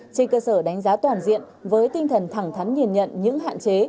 trên cơ sở đánh giá toàn diện với tinh thần thẳng thắn nhìn nhận những hạn chế